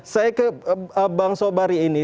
saya ke bang sobari ini